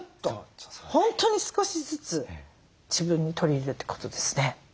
本当に少しずつ自分に取り入れるってことですね。